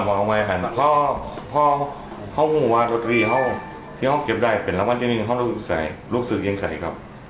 อ่ามันทำไมคันห้องหัวตัวตรีห้องที่ห้องเก็บได้เป็นละวันที่มีห้องรูปศึกใส่รูปศึกยังใส่ครับ